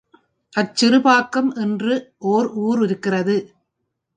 அச்சிறுப்பாக்கம் என்று ஒர் ஊர் இருக்கிறது.